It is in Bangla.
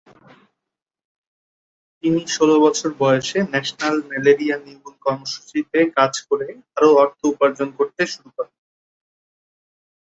তিনি ষোল বছর বয়সে ন্যাশনাল ম্যালেরিয়া নির্মূল কর্মসূচিতে কাজ করে আরও অর্থ উপার্জন করতে শুরু করেন।